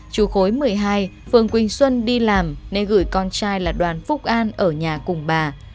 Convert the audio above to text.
chú khối một mươi hai phường quỳnh xuân đi làm nên gửi con trai là đoàn phúc an ở nhà cùng bà